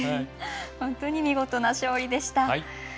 本当に見事な勝利でした。